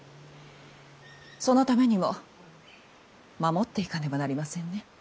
そのためにも守っていかねばなりませんね